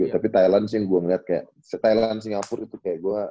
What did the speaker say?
tapi thailand sih yang gue ngeliat kayak thailand singapura itu kayak gue